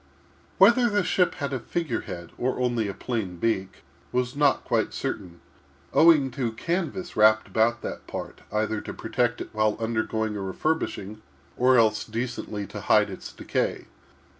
Whether the ship had a figure head, or only a plain beak, was not quite certain, owing to canvas wrapped about that part, either to protect it while undergoing a re furbishing, or else decently to hide its decay.